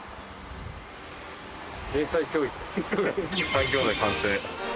３兄弟完成。